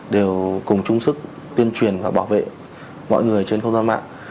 đều cùng chung sức tuyên truyền và bảo vệ mọi người trên không gian mạng